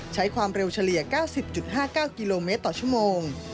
ใช้ความเร็วเฉลี่ย๙๐๕๙กิโลเมตรต่อชั่วโมง